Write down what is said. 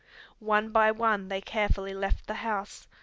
One by one they carefully left the house.